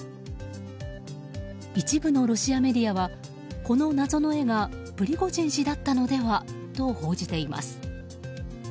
一部のロシアメディアはこの謎の絵がプリゴジン氏だったのではと報じています。